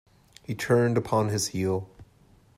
He turned upon his heel.